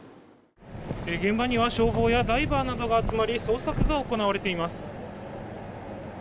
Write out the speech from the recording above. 現場には消防やダイバーなどが集まり捜索が続けられています。